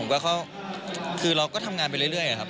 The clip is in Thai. ผมก็เข้าคือเราก็ทำงานไปเรื่อยครับ